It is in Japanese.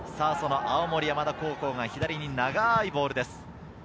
青森山田高校が左に長いボールです。